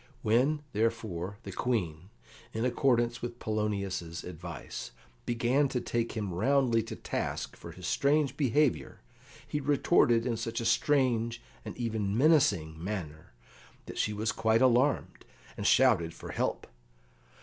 When, therefore, the Queen, in accordance with Polonius's advice, began to take him roundly to task for his strange behaviour, he retorted in such a strange, and even menacing, manner that she was quite alarmed, and shouted for help.